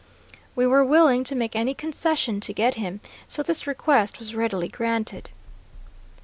We were willing to make any concession to get him, so this request was readily granted.